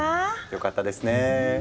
よかったですねぇ。